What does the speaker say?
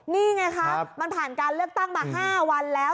นี่ไงครับมันผ่านการเลือกตั้งมา๕วันแล้ว